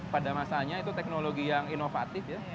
pada masanya itu teknologi yang inovatif ya